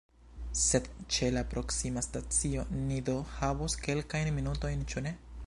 Sed ĉe la proksima stacio ni do havos kelkajn minutojn, ĉu ne?